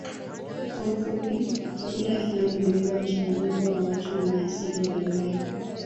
Kwa ufupi kabila hili limebeba mchanganyiko wa watu wenye asili mbalimbali